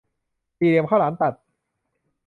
สี่เหลี่ยมข้าวหลามตัด